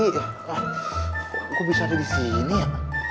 kok bisa ada disini ya